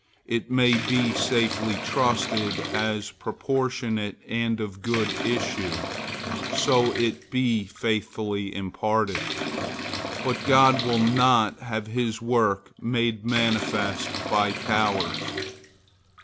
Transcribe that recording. It may be safely trusted as proportionate and of good issues, so it be faithfully imparted, but God will not have his work made manifest by cowards.